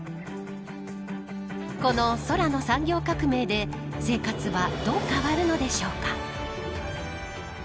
この空の産業革命で生活はどう変わるのでしょうか。